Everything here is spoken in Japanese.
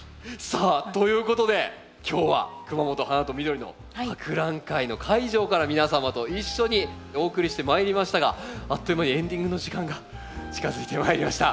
さあということで今日は「くまもと花とみどりの博覧会」の会場から皆様と一緒にお送りしてまいりましたがあっという間にエンディングの時間が近づいてまいりました。